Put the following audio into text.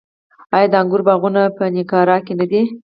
آیا د انګورو باغونه په نیاګرا کې نه دي؟